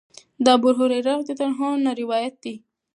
د ابوهريره رضی الله عنه نه روايت دی